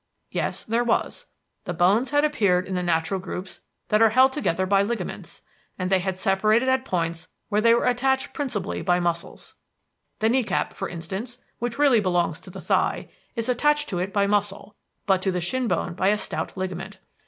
Yes, there was. The bones had appeared in the natural groups that are held together by ligaments; and they had separated at points where they were attached principally by muscles. The knee cap, for instance, which really belongs to the thigh, is attached to it by muscle, but to the shin bone by a stout ligament.